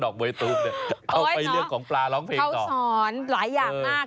เขาสอนหลายอย่างมาก